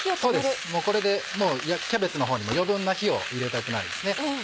そうですもうこれでキャベツの方にも余分な火を入れたくないですね。